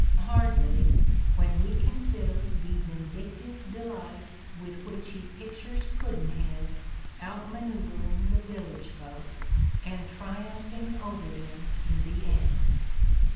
Hardly, when we consider the vindic tive delight with which he pictures Pudd'nhead out manoeuvring the village folk and triumphing over them in the end.